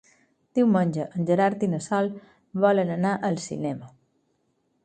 Diumenge en Gerard i na Sol volen anar al cinema.